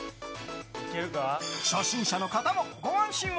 初心者の方もご安心を。